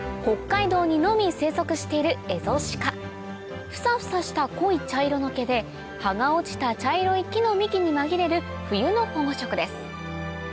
北海道にのみ生息しているフサフサした濃い茶色の毛で葉が落ちた茶色い木の幹に紛れる冬の保護色です